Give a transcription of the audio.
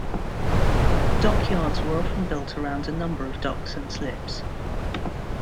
Dockyards were often built around a number of docks and slips.